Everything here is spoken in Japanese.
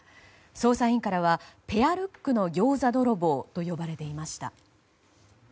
捜査員からはペアルックのギョーザ泥棒と呼ばれていました。